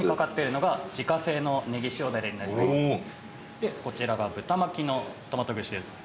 でこちらが豚巻きのトマト串です。